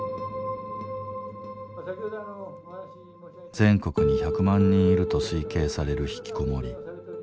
全国に１００万人いると推計されるひきこもり。